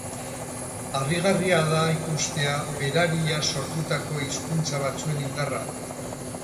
Harrigarria da ikustea berariaz sortutako hizkuntza batzuen indarra.